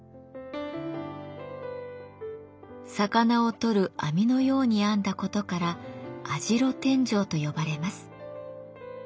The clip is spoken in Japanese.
魚を取る網のように編んだことから網代天井と呼ばれます。